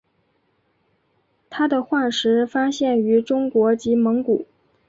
它的化石发现于中国及蒙古。